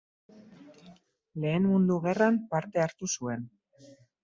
Lehen Mundu Gerran parte hartu zuen.